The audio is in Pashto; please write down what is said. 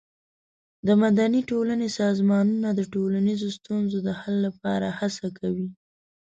د مدني ټولنې سازمانونه د ټولنیزو ستونزو د حل لپاره هڅه کوي.